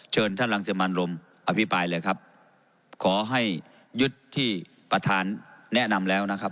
เชิญท่านรังสิมันรมอภิปรายเลยครับขอให้ยึดที่ประธานแนะนำแล้วนะครับ